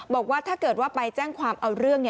บอกว่าถ้าเกิดว่าไปแจ้งความเอาเรื่อง